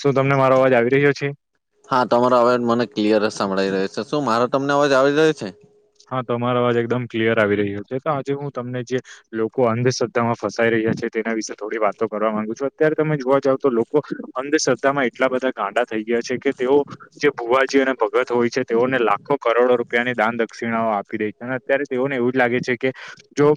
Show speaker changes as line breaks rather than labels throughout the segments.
શું તમને મારો અવાજ આવી રહ્યો છે?
હા તમારો અવાજ મને ક્લિયર જ સંભળાય રહ્યો છે. શું મારો તમને અવાજ આવી રહ્યો છે?
હા તમારો અવાજ એકદમ ક્લિયર આવી રહ્યો છે તો આજે હું તમને જે- લોકો અંધશ્રદ્ધામાં ફસાઈ રહ્યા છે તેના વિશે થોડી વાતો કરવા માંગુ છું. અત્યારે તમે જોવા જાવ તો લોકો- અંધશ્રદ્ધામાં એટલા બધા ગાંડા થઈ ગયા છે કે તેઓ- જે ભુવાજી અને ભગત હોય છે તેઓને લાખો કરોડો રૂપિયાની દાન- [unintelligible] દક્ષિણાઓ આપી રહયા છે અને અત્યારે તેઓને એવું જ લાગે છે કે જો-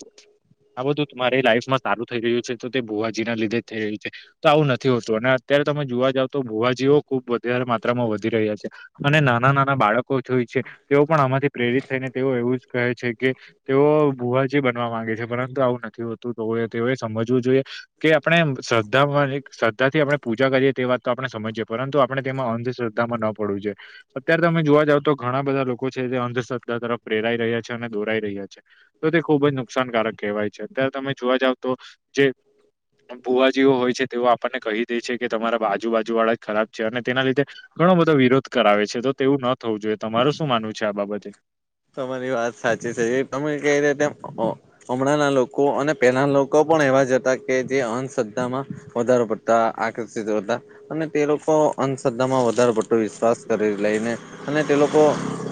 આ બધું તમારી લાઈફમાં સારું થઈ રહ્યું છે તો તે ભુવાજી ના લીધે જ થઈ રહ્યું છે. તો આવું નથી હોતું અને અત્યારે તમે જોવા જાવ તો ભુવાજીઓ ખુબ વધારે માત્રામાં વધી રહ્યા છે. અને નાના નાના બાળકો જોવે છે. તેઓ પણ આમાંથી પ્રેરિત થઈને તેઓ એવું જ કહે છે કે- તેઓ ભૂવાજી બનવા માંગે છે. પરંતુ આવું નથી હોતું તો તેઓએ સમજવું જોઈએ- કે આપણે શ્રદ્ધામાં શ્રદ્ધા થી આપણે પૂજા કરીએ તે વાત તો આપણે સમજીએ પરંતુ આપણે તેમાં અંધ- [unintelligible] ન પડવું જોઈએ. અત્યારે તમે જોવા જાવ તો ઘણા બધા લોકો છે જે અંધ- શ્રધ્ધા તરફ પ્રેરાઈ રહ્યા છે અને દોરાઈ રહ્યા છે. તો તે ખૂબ જ નુકસાનકારક કહેવાય છે અત્યારે તમે જોવા જાવ તો જે- ભુવાજીઓ હોય છે તેઓ આપણને કહી દે છે કે તમારા આજૂબાજુ વાળા જ ખરાબ છે અને તેના લીધે- ઘણો બધો વિરોધ કરાવે છે તો તેવું ન થવું જોઈએ તમાર શું માનવું છે આ બાબતે?
તમારી વાત સાચી છે એ તમે કઈ રહ્યાં તેમ- હમણાંના લોકો અને પેલાના લોકો પણ એવા જ હતા કે જે અંધશ્રદ્ધામાં વધારો પડ- આકર્ષિત હતા અને તે લોકો અંધશ્રદ્ધા માં વધારે [unintelligible] વિશ્વાસ કરી લઈને અને- તે લોકો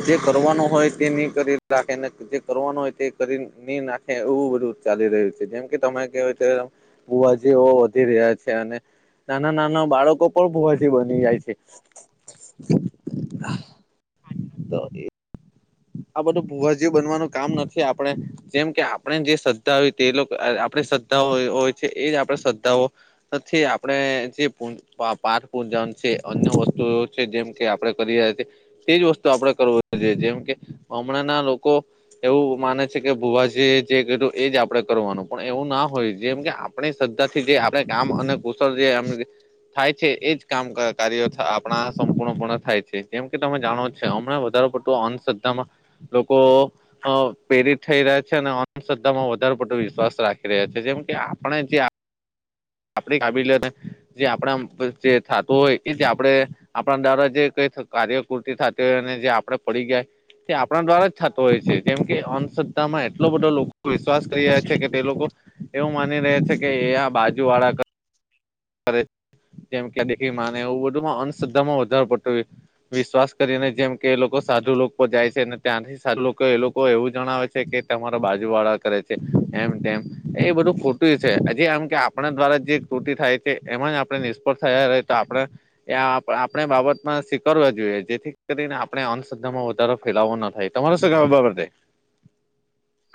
જે કરવાનું હોય નહી કરી રાખેને જે- કરવાનું હોય તે કરી નઈ નાખે એવું બધું ચાલી રહ્યું છે જેમ કે તમે કહ્યું તેમ- ભૂવાજિઓ વધી રહ્યા છે અને- નાના નાના બાળકો પણ ભૂવાજી બની જાય છે. [inaudible] આ બધું ભુવાજી બનવાનું કામ નથી આપણે- જેમ કે આપણે જે શ્રદ્ધા હો તે આપણે શ્રદ્ધા હોય છે એ જ આપણે શ્રદ્ધાઓ- નથી આપણે જે- પાઠ પૂજન છે. અન્ય વસ્તુઓ છે. જેમ કે આપણે કરીએ છીએ- તેજ વસ્તુ આપડે કરવું જોઈએ. જેમ કે હમણાંના લોકો- એવું માને છે કે ભુવાજી જે કર્યું એજ આપડે કરવાનું પણ એવું ના હોય જેમ કે. આપણી શ્રદ્ધાથી જે આપણેે કામ અને કુશળ જેમ- થાય છે એજ કામ કાર્યો આપણા સંપૂર્ણપણે થાય છે. જેમ કે તમે જાણો છે હમણા વધારે પડતું- તો અંધંશ્રદ્ધામાં લોકો અ પ્રેરિત થઈ રહ્યા છે અને અંધશ્રદ્ધા માં વધારે પડટો રાખી રહ્યા છે. જેમ કે આપણે જે
[inaudible]
આપણી કાબેલિયત જે આપણા જે થતું હોય એ જે આપણે આપણા દ્વારા જે કઈ કાર્યકૃતિ થતી હોય અને જે આપડે પડી ગયા તે આપણા દ્વારા જ થતો હોય છે જેમ કે અંધશ્રદ્ધામાં એટલો બધો લોક વિશ્વાસ કરી રહ્યા છે કે તે લોકો એવું માની રયા છે કે એ આ બાજુ વાળા [inaudible] જેમ કે [unintelligible] માને એવું બધુંમાં અંધશ્રદ્ધામાં વધારો પડતો હોય. વિશ્વાસ કરીને જેમ કે એ લોકો સાધુ લોકો જાય છે ને ત્યાંથી સાધુ લોકો એ લોકો એવું જણાવે છે કે તમારા બાજુ વાળા કરે છે એમ તેમ એ બધું ખોટું છે હજી આમ કે આપણા દ્વારા જે તૂટી થાય છે એમાં આપણે નિષ્ફળ થયા રયા તો આપણે એ આપણે બાબતમાં સ્વીકારવા જોઈએ. જેથી કરીને આપણે અંધશદ્ધા માં વધારો ફેલાવો ન થાય. તમારો શું કેવા આ બાબતે?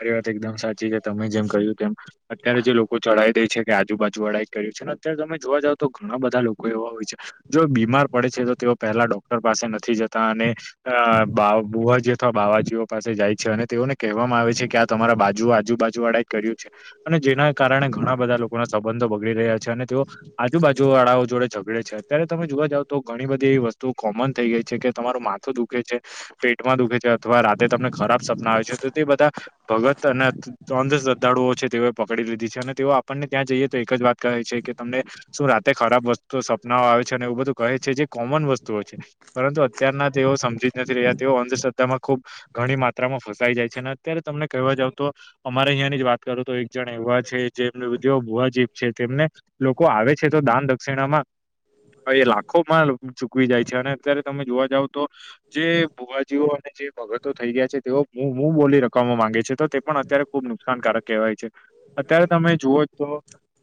એ વાત એકદમ સાચી કે તમે જેમ કર્યું તેમ અત્યારે જે લોક લોકો ચઢાઈ દે છે કે આજુબાજુ વાળા કર્યું છે ને અત્યારે તમે જોવા જાવ તો ઘણા બધા લોકો એવા હોય છે. જો બીમાર પડે છે તો તેઓ પહેલા ડોક્ટર પાસે નથી જતા અને અ બા બુવાજી અથવા બાવાજીઓ પાસે જાય છે અને તેઓને કહેવામાં આવે છે કે આ તમારા બાજુ આજુ બાાજુ વાળા એજ કર્યું છે. અને જેના કારણે ઘણા બધા લોકો ના સંબંધો બગડી રહ્યા છે અને તેઓ આજુબાજુ વાળાઓ જોડે ઝઘડે છે અત્યારે તમે જોવા જાવ તો ઘણી બધી એવી વસ્તુ કોમન થઈ ગઈ છે કે તમારું માથું દુખે છે પેટમાં દુખે છે અથવા રાતે તમને ખરાબ સપના આવે છે તો તે બધા ભગત નથ અંધ શ્રદ્ધાળુઓ છે તેઓએ પકડી લીધી છે અને તેઓ આપણને ત્યાં જઈએ તો એક જ વાત કહે છે કે તમને શું રાતે ખરાબ વસ્તુઓ સપનાઓ આવે છે અને એવું બધું કહે છે જે કોમન વસ્તુઓ છે. પરંતુ અત્યારના તેઓ સમજી જ નથી રહ્યા તેઓ અંધશ્રદ્ધામાં ખુબ ઘણી માત્રામાં ફસાઈ જાય છે અને અત્યારે તમને કહેવા જાવ તો અમારે અહીંયાની જ વાત કરું તો એક જણ એવા છે જેમ ભુવાજીબ છે તેમને લોકો આવે છે તો દાન દક્ષિણામાં એ લાખો માં ચૂકવી જાય છે અને અત્યારે તમે જોવા જાવ તો જે ભુવાજીઓ જે ભગતો થઈ છે તેઓ મુ મુહ બોલી રકમો માંગે છે તો તે પણ અત્યારે ખુબ નુકસાનકારક કહેવાય છે અત્યારે તમે જુઓ તો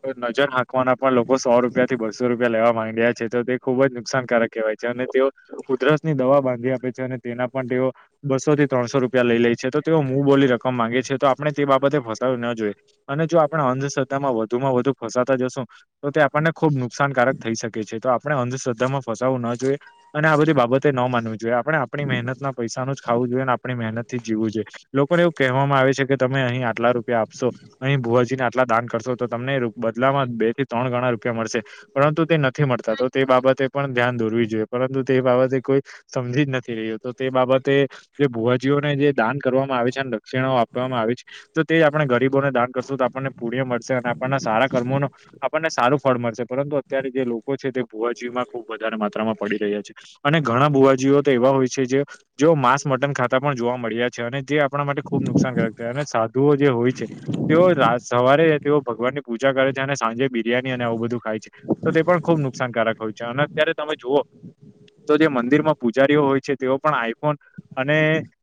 તો નજર હાંકવાના પણ લોકો સો રૂપિયા થી બસો રૂપિયા લેવા માંડ્યા છે. તો તે ખુબ જ નુકસાનકારક કહેવાય છે અને તેઓ ઉધરસની દવા બાંધી આપે છે અને તેના પણ તેઓ બસોથી ત્રણસો રૂપિયા લઈ લેય છે તો તેઓ મુ બોલી રક માંગે છે તો આપણે તે બાબતે ફસાવું ના જોઈએ અને જો આપણે અંધશ્રધ્ધામાં વધુમાં વધુ ફ તા જસુતો તે આપણને ખુબ નુકસાનકારક થઈ શકે છે તો આપણે અંધશ્રદ્ધામાં ફસાવું ના જોઈએ. અને આ બધી બાબતે ન માનવી જોઈએ આપણે આપણી મહેનતના પૈસાનો નુજ ખાવું જોઈએ ને આપણી મહેનતથી જ જીવું જોએ લોકોને એવું કેહવામા આવે છે કે તમે અહીં આટલા રૂપિયા આપશો અહીં ભુવાજીને આટલા દાન કરશો તો તમને બદલામાં બે થી ત્રણ ગણા રૂપિયા મળશે. પરંતુ તે નથી મળતા તો તે બાબતે પણ ધ્યાન દોરવી જોઈએ પરંતુ તે બાબતે કોઈ સમજી જ નથી રહ્યો તો તે બાબતે જે ભુવાજીઓને જે દાન કરવામાં આવે છે ને ક્ષીણા ઓ આપવામાં આવે છે તો તે આપણે ગરીબોને દાન કરશું તો આપણને પુણ્ય મળશે અને આપણના સારા કર્મોનો આપણને સારું ફળ મળશે પરંતુ અત્યારે જે લોકો છે તે ભુવાજીમાં ખુબ વધારે માત્રામાં પડી રહ્યા છે. અને ઘણા બુવાજીઓ તો એવા હોય છે જે જેઓ માસ-મટન ખાતા પણ જોવા મળ્યા છે અને તે આપણા માટે ખુબ નુકસાનકારક થાય અને સાધુઓ જે હોય છે તેઓ રાત-સવારે તેઓ ભગવાનની પૂજા કરે છે અને સાંજે બિરિયાની અને આવું બધું ખાય છે. તો તે પણ ખુબ નુકસાનકારક હોય છે અને અત્યાર તમે જુઓ તો જે મંદિરમાં પુજારીઓ હોય છે તેઓ પણ આઈફોન અને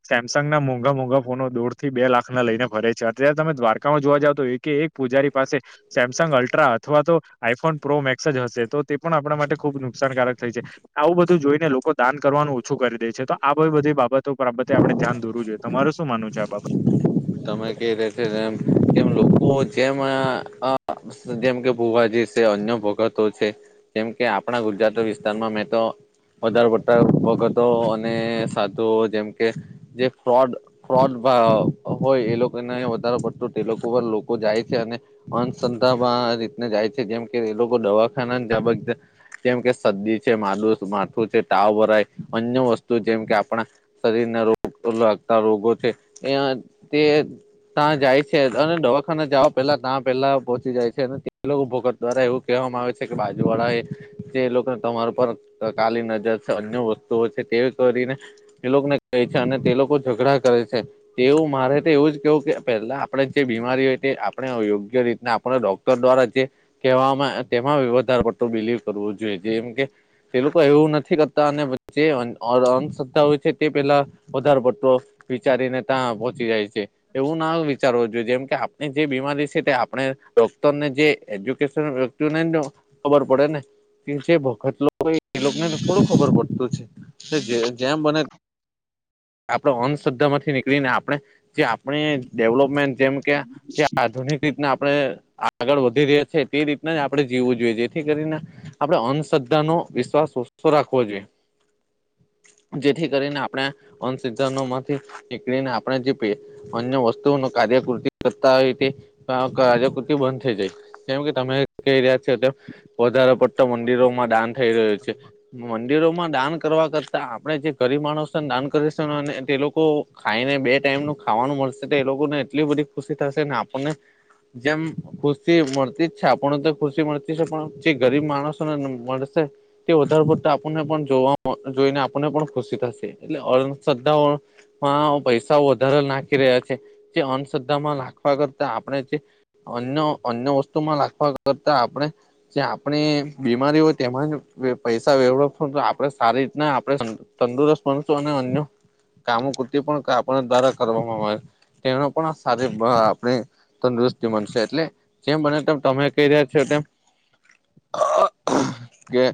સેમસંગ ના મોંઘા-મોંઘા ફોનો દોડથી બે લાખના લઈને ફરે છે. અત્યારે તમે દ્વારકામાં જોવા જાવ તો એકે એક પૂજારી પાસે સેમસંગ અલ્ટ્રા અથવા તો આઈફોન પ્રો મેક્સ જ હશે તો તે પણ આપડા માટે ખુબ નુકસાનકારક થઈ છે. આવું બધું જોઈને લોકો દાન કરવાનું ઓછું કરી દે છે તો આ બધી બાબતો પર [unintelligible] આપડે ધ્યાન દોરવું જોઈએ. તમારું શું માનું છે આ બાબત?
તમે કે એમ છે કેમ લોકો જેમા અ આ [unintelligible] જેમકે ભુવાજી છે અન્ય ભગતો છે. કેમ કે આપણા ગુજરાત વિસ્તારમાં મેં તો વધારે પડતા ભગતો અને સાધુઓ જેમ કે જે ફ્રોડ ફ્રોડ ભાવ હોય એ લોકોને વધારે પડતો તે લોકો પર જાય છે અને અંધશ્રદ્ધામા રીતને જાય છે જેમ કે એ લોકો દવાખાના એ બધે કેમ કે સદી છે, માલુ માથું છે, તાવ ભરાય અન્ય વસ્તુ જેમ કે આપણા શરીરને રોગ લાગતા રોગો છે એ તે ત્યાં જાય છે અને દવાખાના જવા પેલા ત્યાં પેલા પોહચી જાય છે અને ઉભો દ્વારા એવુ કહેવામાં છે કે બાજુવાળા એ જે લોકોને તમાર પર કાલી નજર છે અન્ય વસ્તુઓ છે તેવી કરીને એ લોકોને કહે છે અને તે લોકો ઝઘડા કરે છે. તેવું મારે તો એવું જ કેવું કે પેલા આપડે જે બીમારી હોય તે આપ આપણે અયોગ્ય રીતના આપણે ડોક્ટર દ્વારા જે કેવામાં તેમાં વધારે પડતું બિલીવ કરવું જોઈએ જેમ કે તે લોકો એવું નથી કરતા અનેે વચ્ચે અંધશ્રદ્ધા હોય છે તે પેલા વધારે પટતો વિચારીને ત્યાં પહોંચી જાય છે. એવું ના વિચારવું જોઈએ જેમ કે આપ જે બીમારી છે તે આપણે ડોકટરને જે એજ્યુકેશન વ્યક્તિને ખબર પડે ને જે ભગત લોકોને એ થોડું ખબર પડતું છે. જે જેમ બને આપડે અંધંશ્રદ્ધા માંથી નીકળી ને આપને જે આપણે ડેવલોપમેન્ટ જેમ કે જે આધુનિક જે રીતનાં આપણે આગળ વધી રહ્યા છીએ. તે રીતના જ આપણે જીવું જોઈએ. જેથી કરીને આપડે અંધશ્રદ્ધા નો વિશ્વાસ ઓછો રાખવો જોઈએ. જેથી કરીને આપણે અંશ્રઘ્ધાનો માંથી નીકળીને આપણે જે અન્ય વસ્તુઓનો કાર્યકૃતિ કરતા હોય તે કાર્યકૃતિ બંધ થઈ જાય. કેમ કે તમે કહી રહ્યા છો તે વધારે પડતા મંદિરોમાં દાન થઈ રહ્યું છે. મંદિરોમાં દાન કરવા કરતા આપણે જે ગરીબ માણસો છે ને દાન કરીશ અને તે લોકો ખાઈને બે ટાઈમ નું ખાવાનું મળશે તો એ લોકોને એટલી બધી ખુશી થશે ને આપણને જેમ ખુશી મળતી જ છે આપણને તો ખુશી મળતી છે પણ જે ગરીબ માણસોને મળશે તે વધારે પડતા આપણને પણ જોઈને આપણને પણ ખુશી થશે એટલે અંધ્રદ્ધાઓ પૈસા વધારે નાખી રહ્યા છે, જે અંધશ્રદ્ધામાં નાખવા કરતા આપણે જે અન્ય અન્ય વસ્તુમાં નાખવા કરતા આપણે જે આપણે બીમારી હોય તેમાં જ પૈસા વેડવફ શું તો આપને સારી રીતના આપણે તંદુરસ્ત બનશું અને અન્ય કામો પણ આપ દ્વારા કરવામાં આવે. તેનો પણ શારીરીક બળ આપણે તંદુરસ્તી મળશે, એટલે જેમ બને તેમ, તમે કહી રહ્યા છો તેમ.
[inaudible]
કે.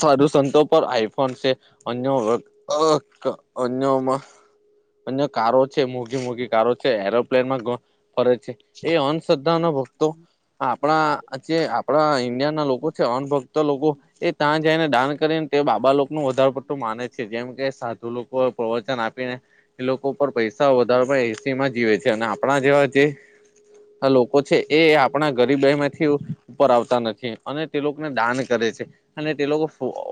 સાધુસંતો પર આઈફોન છે, અન્ય અન્યોમાં. અન્ય કારો છે, મોઘી મોઘી કારો છે, એરોપ્લેનમાં ફરે છે. એ અંધંધશ્રદ્ધા નો ભક્તો આપણા જે આપણા ઈન્ડિયા ના લોકો છે, અણભક્ત લોકો એ ત્યાં જઈને દાન કરીને, તે બાબા લોકો નું વધારે પડતું માને છે, જેમ કે સાધુ લોકો પ્રવચન આપીને. એ લોકો પર પૈસા વધારમાં એસી માં જીવે છે, અને આપણા જેવા જે હલો. લોકો છે, એ આપણા ગરીબહેમાંથી ઉપર આવતા નથી, અને તે લોકોને દાન કરે છે. અને તે લોકો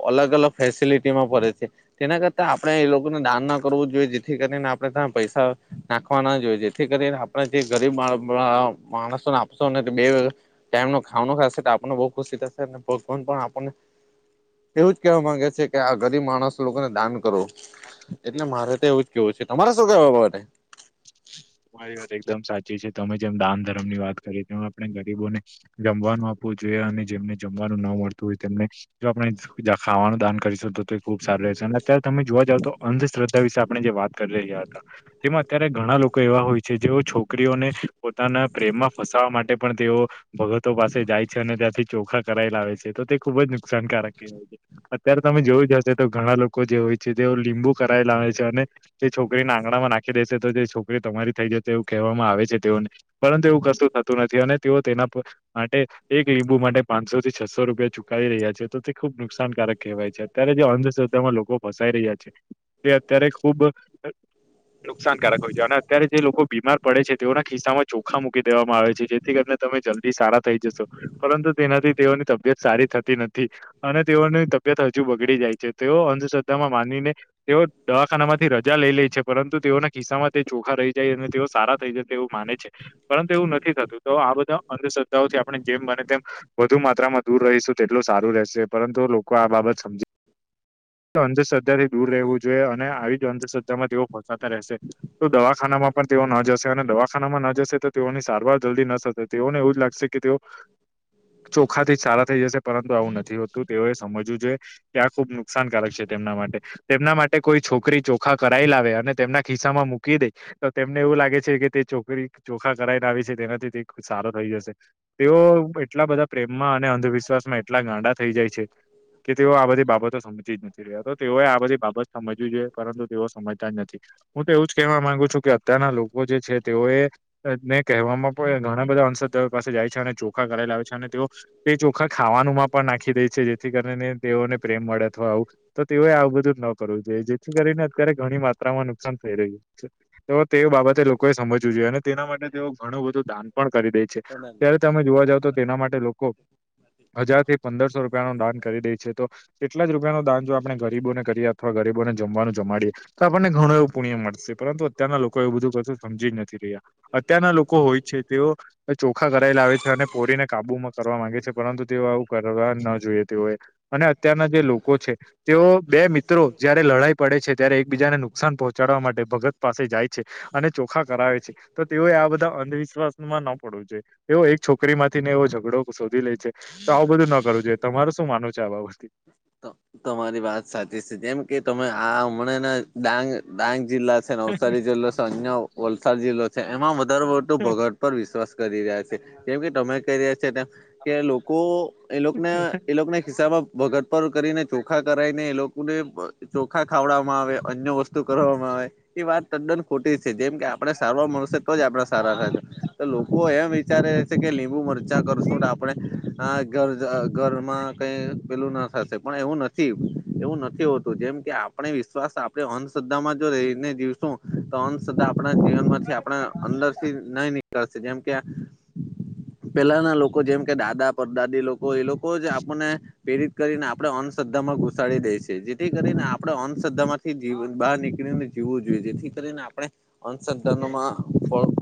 અલગ-અલગ ફેસિલિટીમાં ફરે છે. તેના કરતાં આપણે એ લોકોને દાન ના કરવું જોઈએ. જેથી કરીને, આપણે તે પૈસા નાખવા ના જોઈયે, જેથી કરીને આપણે જે ગરીબ માણસો બેટ ન ખવાનું ખ આપને બહ ખુશી થશે ભગન પણ આપને [unintelligible] એવું જ કહેવા માંગે છે કે, આ ગરીબ માણસ લોકોને દાન કરો. એટલે તો એવું જ કેવું છે, તમારે શું માટે
વાત એકદમ સાચી છે, તમે જેમ દાન ધર્મ ની વાત કરી, તેમ આપણે ગરીબોને જમવાનું આપવું જોઈએ, અને જેમને જમવાનું ન મળતું હોય તેમને. જો આપણે ખાવાનું દાન કરીશું તો, ખુબ સારું રહેશે, અને અત્યારે તમે જોવા જાવ તો અંધશ્રધ વિશે આપણે જે વાત કરી હતા, તેમાં અત્યારે લોકો એવા હોય છે, જેઓ છોકરીઓને પોતાના પ્રેમમાં ફસાવવા માટે પણ તેઓ ભગતો પાસે જાય છે, અને ત્યાંથી ચોખા કરાયેલા આવેે છે, તો તે ખુબ જ નુકસાનકારક કહેવાય છે. અત્યારે તમે જોવું જશે તો, ઘણા લોકો જે હોય છે, જે લીંબુ કરાવે લાવે છે, અને જે છોકરીને આંગણામાં નાખી દેશે તો, જે છોકરી તમારી થઈ જશે, એવું કહેવામાં આવે છે, તેઓને પરંતુ એવું કરતું થતું નથી, અને તેઓ તેના માટે એક લીંબુ માટે પાંચસો થી છસો રૂપિયા ચુકાવી રહ્યા છે, તો તે ખુબ નુકસાનકારક કહેવાય છે. અત્યારે જે અંધશ્રદ્ધામાં લોકો ફસાઈ રહ્યા છે, તે અત્યારે ખુબ નુકસાનકારક હોય જોને. અત્યારે જે લોકો બીમાર પડે છે, તેઓના ખિસ્સા માં ચોખા મૂકી દેવામાં આવે છે, જેથી કરીને તમે જલ્દી સારા થઈ જશો. પરંતુ તેનાથી તેઓની તબિયત સારી થતી નથી. અને તેઓની તબિયત હજુ બગડી જાય છે, તેઓ અંધશ્રદ્ધામાં માનીને તેઓ દવાખાનામાંથી રજા લઈ લે છે, પરંતુ તેઓના કિસ્સામાં ચોખા રહી અને સારા થઈ જાય તેવું માને છે, પરંતુ એવું નથી થતું, તો આ બધા અંધ થી આપણે જેમ બને તેમ વધુ માત્રામાં દૂર રહીશું, તેટલું સારું રહેશે, પરંતુ લોકો આ બાબત સમજી તો અંધશ્રદધા થી દૂર રહેવું જોઈએ, અને આવી જ અંધશ્રદ્ધામાં તેઓ પહોંચાતા રહેશે. તો દવાખાનામાં પણ તેઓ ન જશે, અને દવાખાનામાં ન જશે તો, તેઓની સારવાર જલ્દી નથી, તેઓને એવું જ લાગશે કે તેઓ હ. ચોખા થી જ સારા થઈ જશે, પરંતુ આવું નથી હોતું, તેઓએ સમજવું જોઈએ, કેયા ખુબ નુકસાનકારક છે, તેમના માટે તેમના માટે કોઈ છોકરી ચોખા કરાઈ લાવે, અને તેમના ખિસ્સામાં મૂકી દે. તો તેમને એવું લાગે છે કે, તે ચોકરી ચોખા કરાઈને આવી છે, તેનાથી તે સારો થઈ જશે. તેઓ એટલા બધા પ્રેમમાં અને અંધવિશ્વાસમાં એટલા ગાંડા થઈ જાય છે કે, તેઓ આ બધી બાબતો સમજ જ નથી રહ્યા તો તેઓએ આ બધી બાબત સમજવી જોઈએ પરંતુ તેઓ સમજતા જ નથી હું તો એવું જ કહેવા માંગુ છું કે અત્યારના લોકો જે છે તેઓ એ ને કહેવામાં પણ ઘણા બધા અંશદઓ પાસે જાય છે અને ચોખા કરેલાાવ છે અને તેઓ તે ચોખા ખાવાનુંમાં પણ નાખી દે છે જેથી કરીને તેઓને પ્રેમ મળે અથવા આવું તો તેઓએ આવું બધું ન કરવું જોઈએ જેથી કરીને અત્યારે ઘણી માત્રામાં નુકસાન થઈ રહ્યું છે. તો તે બાબતે લોકોએ સમજવું જોઈએ અને તેના માટે તેઓ ઘણું બધું દાન પણ કરી દે છે.
માટે
ત્યારે તમે જોવા જાવ તો તેના માટે લોકો હજાર થી પંદરસો રૂપિયા ન દાન કરી દે છે તો રૂપિયા નો દાન જો આપણે ગરીબોને કરીએ અથવા ગરીબોને જમવાનું જમાડીએ તો આપણને ઘણું એવું પુણ્ય મળશે પરંતુ અત્યારના લોકો એવ બધું ક સમજી જ નથી રહ્યા. અત્યારના લોકો હોય છે. તેઓ ચોખા કરાયેલા આવે છે અને પોરીને કાબુમાં કરવા માંગે છે પરંતુ તેઓ આવ. કરવા જોઈ તે હોય અને અત્યારે લોકો છે તેઓ બે મિત્રો જયારે લડાઈ પડે છે ત્યારે એકબીજાને- સાન પહોચડવા પાસે જાય. છે અને ચોંકાવનારા હોય છે, તો આપણે આ બધા અંધવિશ્વાસમાં ન પડવું જોઈએ. એવી એક છોકરીમાંથી ને એવો ઝઘડો શોધી લે છે, તો આવું બધું ન કરવું જોઈએ. તમારું શું માનવું છે આ બાબતે?
તમારી વાત સાચી છે. જેમ કે તમે હમણાંના ડાંગ જિલ્લામાં. છે, નવસારી જિલ્લો છે અને વલસાડ જિલ્લો છે, એમાં વધારે મોઢું બગાડે. પર વિશ્વાસ કરી રહ્યા છે, જેમ કે તમે કહી રહ્યા છો તેમ કે લોકો. એ લોકોને એ લોકોને ખિસ્સામાં વાગડ પર કરીને ચોખા કરાવીને એ લોકો. અને ચોખા ખવડાવવામાં આવે અને અન્ય વસ્તુ કરવામાં આવે. એ વાત તદ્દન ખોટી છે. જેમ કે આપણે સારવાર લઈશું તો જ આપણે સારા થઈશું, તો લોકો એમ. અત્યારે એ છે કે લીંબુ-મરચાં કરીશું ને આપણે. ઘરમાં કંઈ પેલું નહીં થાય. પણ એવું નથી, એવું નથી હોતું. જેમ કે આપણે વિશ્વાસ આપણે અંધશ્રદ્ધામાં જો રહીને દિવસો. તો અંધશ્રદ્ધા આપણા જીવનમાંથી, આપણી અંદરથી નહીં નીકળે, જેમ કે. જેમ કે દાદા-પરદાદી લોકો, એ લોકો જ આપણને પ્રેરિત કરીને. જેમ કે દાદા-પરદાદા લોકો આપણને પ્રેરિત કરીને અંધશ્રદ્ધામાં ઘુસાડી દે છે, જેથી કરીને આપણે અંધશ્રદ્ધામાંથી જીવ બહાર નીકળીને. જીવવું જોઈએ, જેથી કરીને આપણે અંધશ્રદ્ધામાં ન ફસાઈએ.